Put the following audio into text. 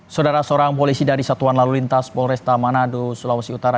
saudara seorang polisi dari satuan lalu lintas polresta manado sulawesi utara